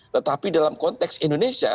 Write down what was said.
tetapi dalam konteks indonesia